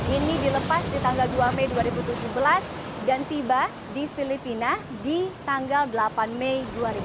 ini dilepas di tanggal dua mei dua ribu tujuh belas dan tiba di filipina di tanggal delapan mei dua ribu tujuh belas